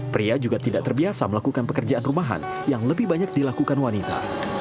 pria juga tidak terbiasa melakukan pekerjaan rumahan yang lebih banyak dilakukan wanita